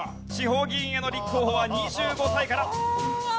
地方議員への立候補は２５歳から。